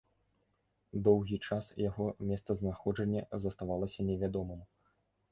Доўгі час яго месцазнаходжанне заставалася невядомым.